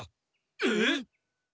えっ！？